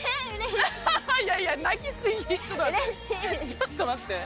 ちょっと待って。